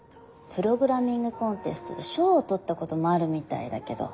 プログラミング・コンテストで賞を取ったこともあるみたいだけど。